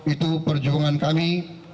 itu perjuangan kami